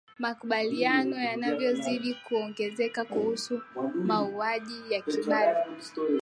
makubaliano yanayozidi kuongezeka kuhusu mauaji ya kibari